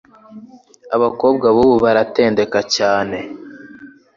abakobwa b'ubu baratendeka cyane